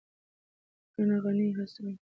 لیکنه: غني حسن